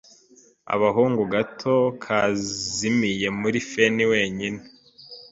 Agahungu gato kazimiye muri feni wenyine